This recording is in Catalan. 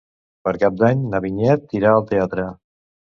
Per Cap d'Any na Vinyet irà al teatre.